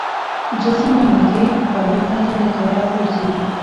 جسم له مادي خوړو پرته له کاره غورځي.